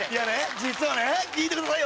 実はね聞いてくださいよ